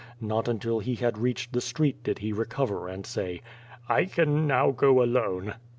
Not until he had reached the street did he recover and say: "I can now go alone."